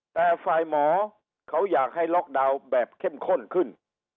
แต่ฝ่ายหมอเขาอยากให้ล็อกดาวน์แบบเข้มข้นขึ้น